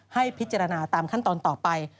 ให้พิจารณาตามขั้นตอนต่อไป